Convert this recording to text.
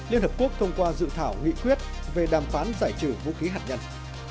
liên hợp quốc thông qua dự thảo nghị quyết về đàm phán giải trừ vũ khí hạt nhân